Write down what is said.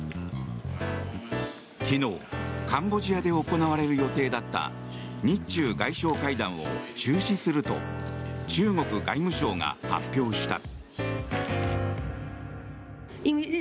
昨日、カンボジアで行われる予定だった日中外相会談を中止すると中国外務省が発表した。